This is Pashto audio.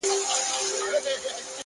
نیک نیت بدې فضاوې نرموي،